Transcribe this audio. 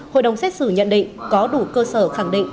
hội đồng xét xử nhận định có đủ cơ sở khẳng định